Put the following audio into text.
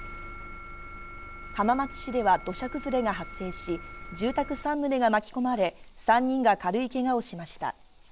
浜松市では土砂崩れが発生し、住宅３棟が巻き込まれ、３人が軽いけがをしました。